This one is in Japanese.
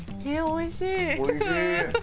おいしい！